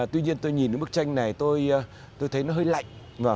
tuy nhiên tôi nhìn cái bức tranh này tôi thấy nó hơi lạnh